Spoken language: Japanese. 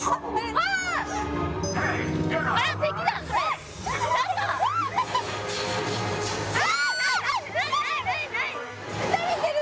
わっ撃たれてる！